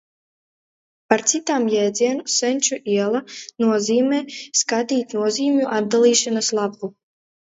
Par citām jēdziena Senču iela nozīmēm skatīt nozīmju atdalīšanas lapu.